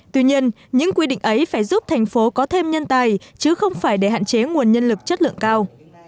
tuy nhiên những quy định ấy phải giúp thành phố có thêm nhân tài chứ không phải để hạn chế nguồn nhân lực chất lượng cao